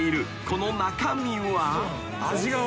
この中身は］